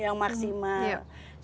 dengan melakukan pelayanan yang maksimal